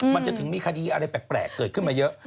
มันจะถึงมีคดีอะไรแปลกเกิดขึ้นมาเยอะ